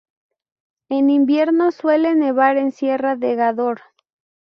En invierno suele nevar en sierra de Gádor.